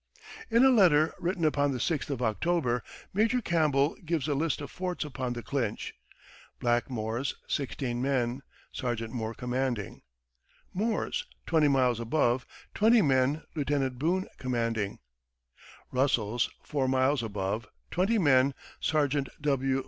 In a letter written upon the sixth of October, Major Campbell gives a list of forts upon the Clinch: "Blackmore's, sixteen men, Sergeant Moore commanding; Moore's, twenty miles above, twenty men, Lieutenant Boone commanding; Russell's, four miles above, twenty men, Sergeant W.